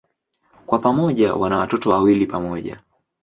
Kwa pamoja wana watoto wawili pamoja.